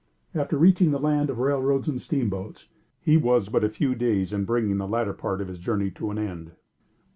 After reaching the land of railroads and steamboats, he was but a few days in bringing the latter part of his journey to an end.